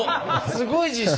すごい自信。